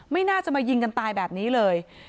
ไม่น่าจะมายิงกันตายแบบนี้เลย